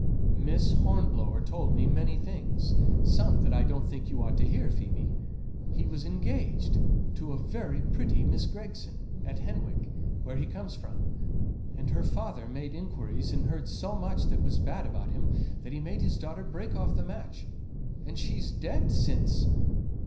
"Miss Hornblower told me many things; some that I don't think you ought to hear, Phoebe. He was engaged to a very pretty Miss Gregson, at Henwick, where he comes from; and her father made inquiries, and heard so much that was bad about him that he made his daughter break off the match, and she's dead since!"